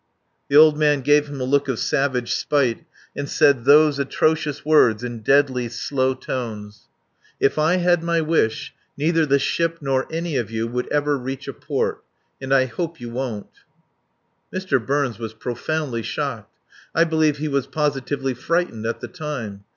The old man gave him a look of savage spite, and said those atrocious words in deadly, slow tones. "If I had my wish, neither the ship nor any of you would ever reach a port. And I hope you won't." Mr. Burns was profoundly shocked. I believe he was positively frightened at the time.